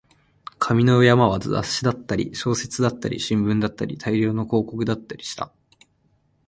紙の山は雑誌だったり、小説だったり、新聞だったり、大量の広告だったりした